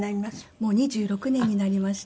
もう２６年になりました。